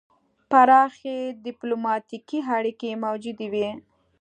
پراخې ډیپلوماتیکې اړیکې موجودې وې.